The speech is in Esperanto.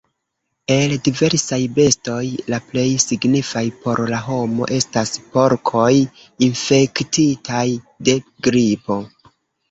El diversaj bestoj la plej signifaj por la homo estas porkoj infektitaj de gripo.